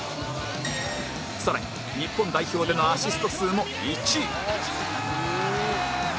更に日本代表でのアシスト数も１位「ふーん！」